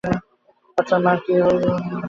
বাচ্চার মার কী হল তা দিয়ে তো আমাদের প্রয়োজন নেই।